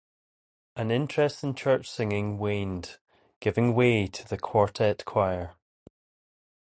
An interest in church singing waned, giving way to the quartet choir.